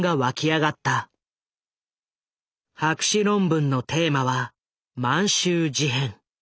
博士論文のテーマは満州事変。